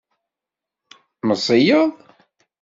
Meẓẓiyeḍ?